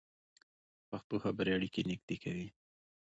پښتو خبرې اړیکې نږدې کوي.